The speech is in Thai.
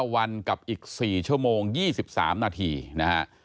วันกับอีก๔ชั่วโมง๒๓นาทีนะฮะ